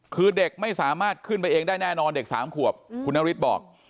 คือเด็กไม่สามารถขึ้นไปเองได้แน่นอนเด็ก๓ขวบคุณนฤทธิ์บอก